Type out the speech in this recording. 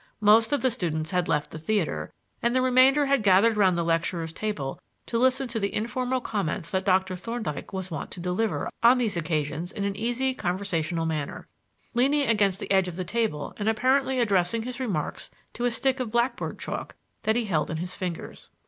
Most of the students had left the theater, and the remainder had gathered round the lecturer's table to listen to the informal comments that Dr. Thorndyke was wont to deliver on these occasions in an easy, conversational manner, leaning against the edge of the table and apparently addressing his remarks to a stick of blackboard chalk that he held in his fingers.